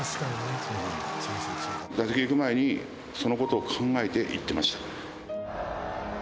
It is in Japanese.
打席行く前に、そのことを考えていってました。